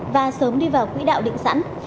và sớm đi vào quỹ đạo định sẵn